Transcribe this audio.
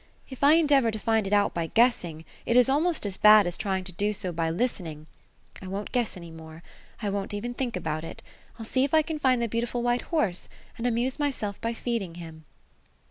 If I endeavor, to find it out by guessing, it is almost as bad as trying to do so by listening. I won't guess any more. I won't even think about it. I'll see if I can find the beautiful white horse ; and amuse myself by feeding him."